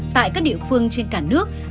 tại các địa phương trên cả nước